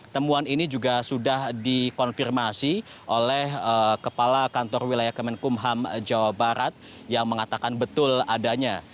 temuan ini juga sudah dikonfirmasi oleh kepala kantor wilayah kemenkumham jawa barat yang mengatakan betul adanya